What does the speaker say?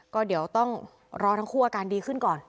ก็เดี๋ยวต้องรอทั้งคู่อาการดีขึ้นก่อน